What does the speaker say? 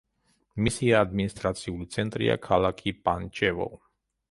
მისი ადმინისტრაციული ცენტრია ქალაქი პანჩევო.